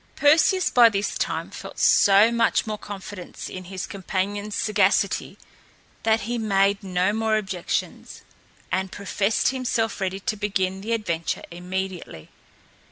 Perseus by this time felt so much confidence in his companion's sagacity that he made no more objections, and professed himself ready to begin the adventure immediately.